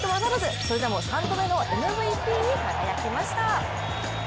それでも３度目のＭＶＰに輝きました。